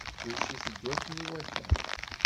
Kullec iteddu akken iwata.